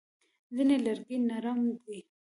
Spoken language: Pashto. ځینې لرګي نرم وي.